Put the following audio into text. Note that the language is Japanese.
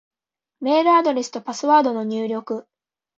メールアドレスとパスワードの入力